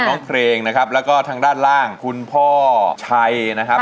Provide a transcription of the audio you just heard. เพลงนะครับแล้วก็ทางด้านล่างคุณพ่อชัยนะครับ